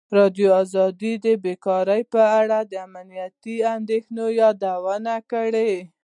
ازادي راډیو د بیکاري په اړه د امنیتي اندېښنو یادونه کړې.